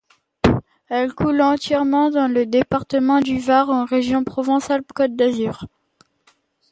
Elle coule entièrement dans le département du Var en région Provence-Alpes-Côte d'Azur.